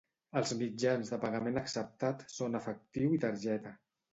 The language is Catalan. Els mitjans de pagament acceptat són efectiu i targeta.